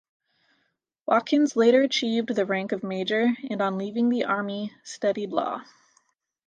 Watkins later achieved the rank of major, and on leaving the Army, studied law.